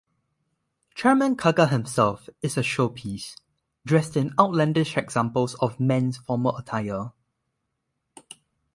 Chairman Kaga himself is a showpiece, dressed in outlandish examples of men's formal attire.